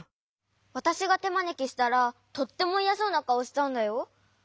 わたしがてまねきしたらとってもいやそうなかおしたんだよ。